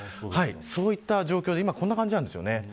そういった状況で今、こんな感じなんですよね。